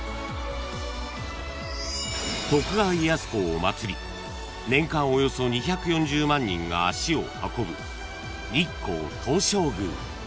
［徳川家康公をまつり年間およそ２４０万人が足を運ぶ日光東照宮］